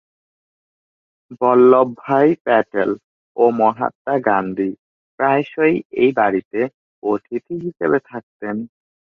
বল্লভভাই প্যাটেল ও মহাত্মা গান্ধী প্রায়শই এই বাড়িতে অতিথি হিসেবে থাকতেন।